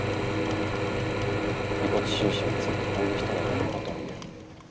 「遺骨収集についていろんな人がいろんなことを言う。